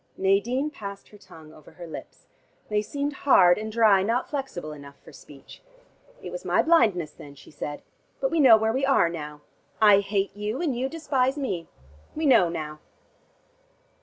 Nadine passed her tongue over her lips. They seemed hard and dry, not flexible enough for speech. "It was my blindness then," she said. "But we know where we are now. I hate you, and you despise me. We know now."